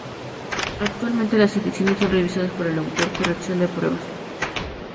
Actualmente las ediciones son revisadas por el autor: corrección de pruebas.